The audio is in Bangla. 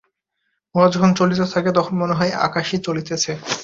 উহা যখন চলিতে থাকে, তখন মনে হয় আকাশই চলিতেছে।